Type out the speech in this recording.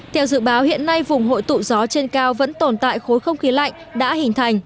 theo dự báo hiện nay vùng hội tụ gió trên cao vẫn tồn tại khối không khí lạnh đã hình thành